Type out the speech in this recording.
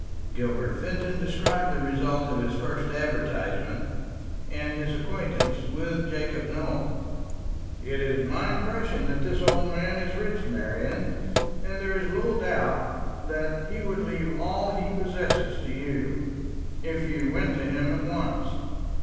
Gilbert Fenton described the result of his first advertisement, and his acquaintance with Jacob Nowell. "It is my impression that this old man is rich, Marian; and there is little doubt that he would leave all he possesses to you, if you went to him at once."